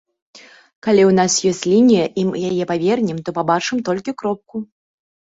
Калі ў нас ёсць лінія і мы яе павернем, то пабачым толькі кропку.